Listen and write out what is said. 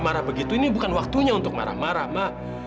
marah begitu ini bukan waktunya untuk marah marah mbak